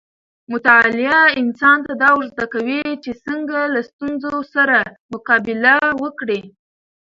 مطالعه انسان ته دا ورزده کوي چې څنګه له ستونزو سره مقابله وکړي.